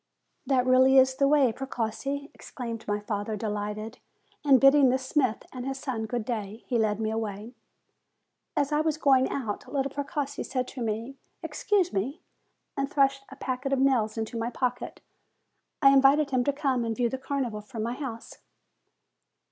"That really is the way, Precossi!" exclaimed my father delighted. And bidding the smith and his son good day, he led me away. As I was going out, little Precossi said to me, "Excuse me," and thrust a packet of nails into my pocket. I invited him to come and view the Carnival from my house.